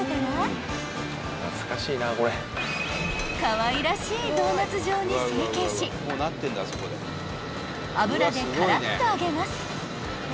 ［かわいらしいドーナツ状に成形し油でカラッと揚げます］